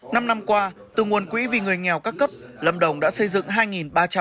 năm năm qua từ nguồn quỹ vì người nghèo các cấp lâm đồng đã xây dựng hai ba trăm hai mươi bốn căn nhà